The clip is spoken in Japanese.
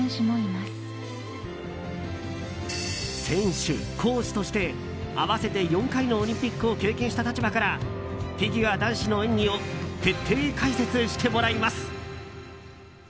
選手、コーチとして合わせて４回のオリンピックを経験した立場からフィギュア男子の演技を徹底解説してもらいます。